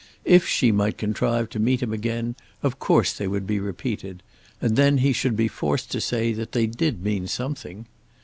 If she might contrive to meet him again of course they would be repeated, and then he should be forced to say that they did mean something.